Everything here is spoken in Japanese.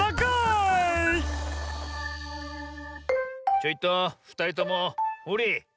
ちょいとふたりともほれ。